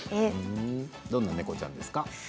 どんな猫ちゃんですか。